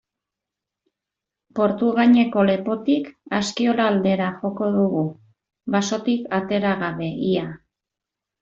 Portugaineko lepotik Askiola aldera joko dugu, basotik atera gabe ia.